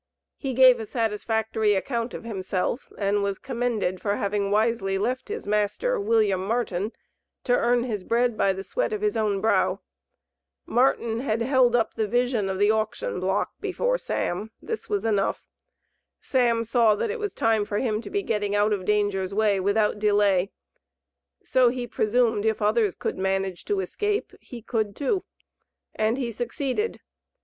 He gave a satisfactory account of himself, and was commended for having wisely left his master, William Martin, to earn his bread by the sweat of his own brow. Martin had held up the vision of the auction block before Sam; this was enough. Sam saw that it was time for him to be getting out of danger's way without delay, so he presumed, if others could manage to escape, he could too. And he succeeded.